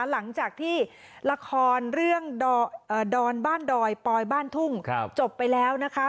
หลังจากที่ละครเรื่องดอนบ้านดอยปอยบ้านทุ่งจบไปแล้วนะคะ